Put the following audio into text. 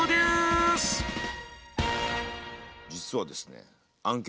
実はですね